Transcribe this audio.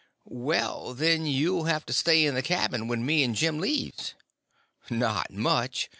"Well, then, you'll have to stay in the cabin when me and Jim leaves." "Not much.